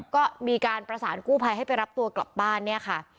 ก็มีการประสานกู้ภัยให้ไปรับตัวกลับบ้านเนี่ยค่ะ